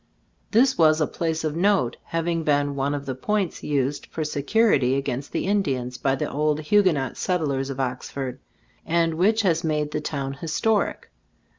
This was a place of note, having been one of the points used for se curity against the Indians by the old Huguenot Settlers of Oxford, and which has made the town historic.